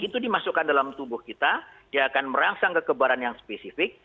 itu akan merangsang kekebalan yang spesifik